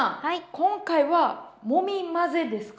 今回は「もみ混ぜ」ですか？